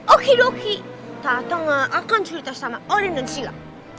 oke doki tata nggak akan cerita sama olin dan sila